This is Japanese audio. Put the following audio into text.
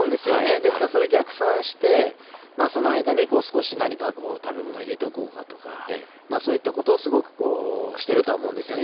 ですから、それを逆算してその間に少し食べ物を入れておこうかとかそういったことをすごくしてると思うんですけどね。